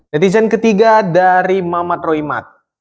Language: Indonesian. netizen ketiga dari mamat roymat